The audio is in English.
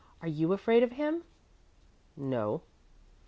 Are you afraid of him?" "No."